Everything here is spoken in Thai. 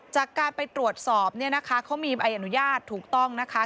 จากการไปตรวจสอบเนี่ยนะคะเขามีใบอนุญาตถูกต้องนะคะ